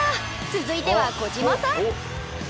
続いては小島さん。